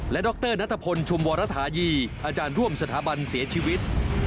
ดรนัทพลชุมวรทายีอาจารย์ร่วมสถาบันเสียชีวิต